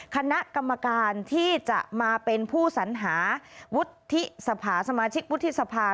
คณะกรรมการที่จะมาเป็นผู้สัญหาวุฒิสภาสมาชิกวุฒิสภา